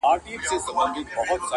لاري لاري دي ختليقاسم یاره تر اسمانه.